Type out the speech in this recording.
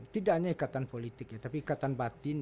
tidak hanya ikatan politik ya tapi ikatan batin